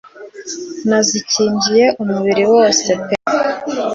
nazikingiye umubiri wose pe